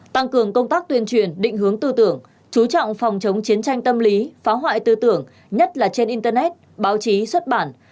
tăng cường công tác tuyên truyền định hướng tư tưởng chú trọng phòng chống chiến tranh tâm lý phá hoại tư tưởng nhất là trên internet báo chí xuất bản